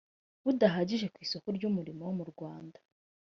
budahagije ku isoko ry umurimo mu rwanda